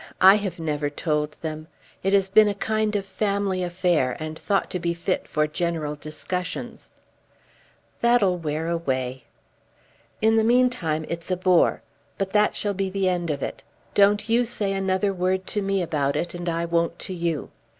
I have never told them. It has been a kind of family affair and thought to be fit for general discussions." "That'll wear away." "In the meantime it's a bore. But that shall be the end of it. Don't you say another word to me about it, and I won't to you.